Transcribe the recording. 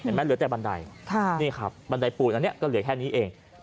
เหลือแต่บันไดนี่ครับบันไดปูนอันนี้ก็เหลือแค่นี้เอง